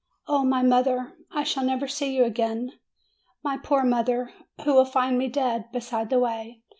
Oh, my poor mother, I shall never see you again! My poor mother, who will find me dead beside the way!"